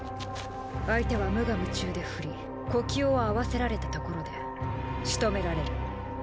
相手は無我夢中で振り呼吸を合わせられたところでしとめられる。